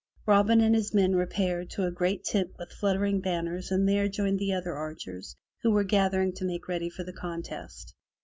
Robin and his men repaired to a great tent with fluttering banners and there joined the other archers who were gathering to make ready for the contest.